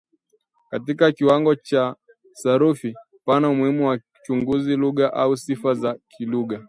Katika kiwango cha kisarufi pana umuhimu wa kuichunguza lugha au sifa za kilugha